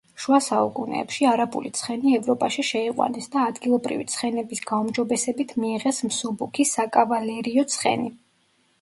შუა საუკუნეებში არაბული ცხენი ევროპაში შეიყვანეს და ადგილობრივი ცხენების გაუმჯობესებით მიიღეს მსუბუქი საკავალერიო ცხენი.